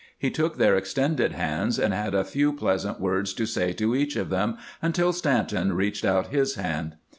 He took their extended hands, and had a few pleasant words to say to each of them, until Stanton reached out his hand.